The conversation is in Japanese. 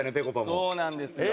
そうなんですよ。